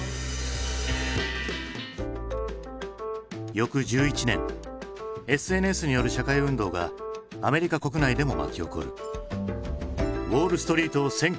翌１１年ＳＮＳによる社会運動がアメリカ国内でも巻き起こる。